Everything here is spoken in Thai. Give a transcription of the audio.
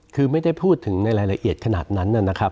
คือไม่ได้พูดถึงในรายละเอียดขนาดนั้นนะครับ